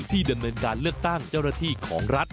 ดำเนินการเลือกตั้งเจ้าหน้าที่ของรัฐ